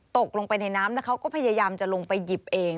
ตกลงไปในน้ำแล้วเขาก็พยายามจะลงไปหยิบเอง